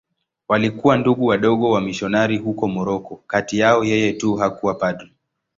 Walikuwa Ndugu Wadogo wamisionari huko Moroko.Kati yao yeye tu hakuwa padri.